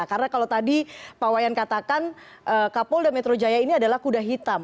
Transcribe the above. karena kalau tadi pak wayan katakan kapolda metro jaya ini adalah kuda hitam